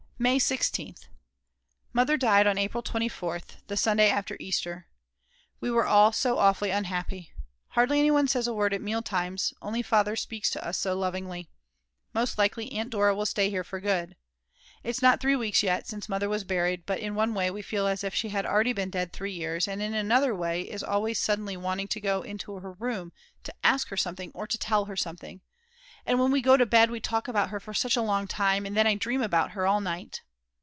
May 16th. Mother died on April 24th, the Sunday after Easter. We are all so awfully unhappy. Hardly anyone says a word at mealtimes, only Father speaks to us so lovingly. Most likely Aunt Dora will stay here for good. It's not three weeks yet since Mother was buried, but in one way we feel as if she had already been dead three years, and in another way one is always suddenly wanting to go into her room, to ask her something or tell her something. And when we go to bed we talk about her for such a long time, and then I dream about her all night.